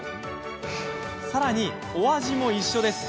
さらに、お味も一緒です。